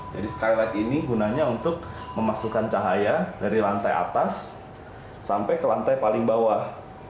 jadi skylight ini gunanya untuk memasukkan cahaya dari lantai atas sampai ke lantai paling bawah